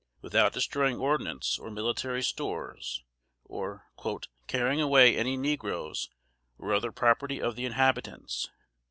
without destroying ordnance or military stores, or "carrying away any negroes or other property of the inhabitants."